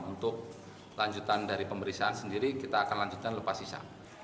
untuk lanjutan dari pemeriksaan sendiri kita akan lanjutkan lupa sisa